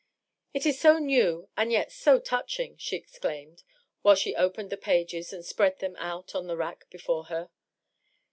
'* It is so new and yet so touching !" she ex claimed, while she opened the pages and spread them out on the rack before her.